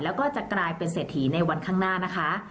แล้วก็จะกลายเป็นเศรษฐีในวันข้างหน้านะคะ